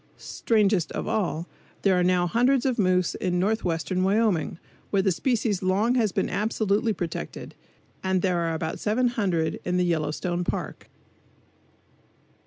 Strangest of all, there now are hundreds of moose in northwestern Wyoming, where the species long has been absolutely protected, and there are about 700 in the Yellowstone Park.